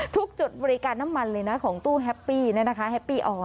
ทุกจุดบริการน้ำมันเลยนะของตู้แฮปปี้นะคะ